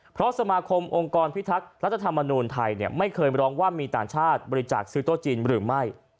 เพราะสมาคมองค์กรพิทักษ์รัฐธรรมนูญไทยไม่เคยร้องว่ามีต่างชาติบริจาคซื้อโต๊ะจีนหรือไม่